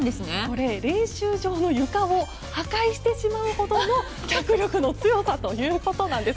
練習場の床を破壊してしまうほどの脚力の強さということなんです。